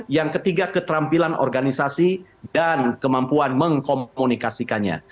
yang ketiga keterampilan organisasi dan kemampuan mengkomunikasikannya